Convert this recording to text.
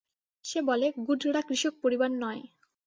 সে বলে গুডরা কৃষক পরিবার নয়।